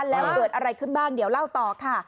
แล้วเกิดอะไรขึ้นบ้างเดี๋ยวเล่าต่อค่ะ